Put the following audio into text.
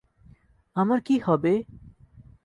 আমার কী হবে?